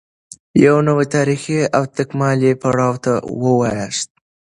یوه نوې تارېخي او تکاملي پړاو ته واوښته